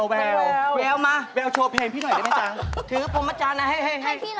เดี๋ยวเพลงมันไม่มีเนื้อเหงื่อมากเลยนี่